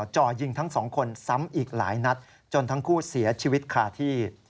จ่อยิงทั้งสองคนซ้ำอีกหลายนัดจนทั้งคู่เสียชีวิตคาที่